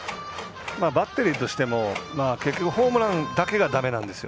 バッテリーとしても結局ホームランだけがだめなんですよ。